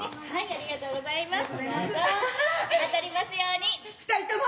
ありがとうございますどうぞ。